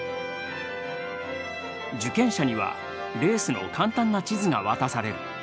受験者にはレースの簡単な地図が渡される。